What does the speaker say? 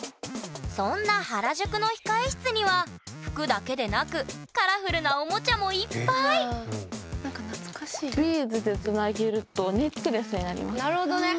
そんな原宿の控え室には服だけでなくカラフルなおもちゃもいっぱいなるほどね。